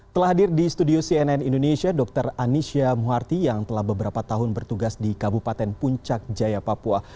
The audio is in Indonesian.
telah hadir di studio cnn indonesia dr anisya muharti yang telah beberapa tahun bertugas di kabupaten puncak jaya papua